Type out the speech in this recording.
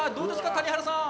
谷原さん。